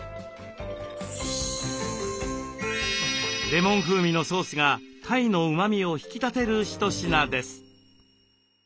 レモン風味のソースが鯛のうまみを引き立てる一品です。